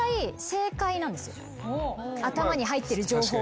頭に入ってる情報が。